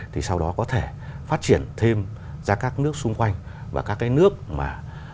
thì sau đó có thể phát triển thêm ra các nước xung quanh và các cái nước mà